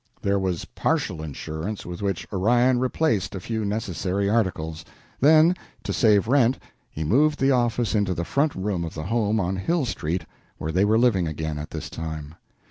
There was partial insurance, with which Orion replaced a few necessary articles; then, to save rent, he moved the office into the front room of the home on Hill Street, where they were living again at this time.